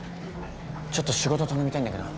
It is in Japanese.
ちょっと仕事頼みたいんだけど。